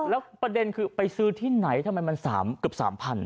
แล้วประเด็นคือไปซื้อที่ไหนทำไมมันเกือบ๓๐๐๐